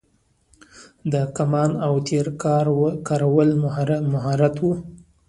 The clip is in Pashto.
د کمان او تیر کارول مهارت و